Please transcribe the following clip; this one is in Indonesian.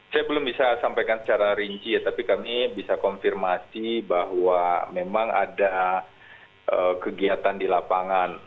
saya belum bisa sampaikan secara rinci ya tapi kami bisa konfirmasi bahwa memang ada kegiatan di lapangan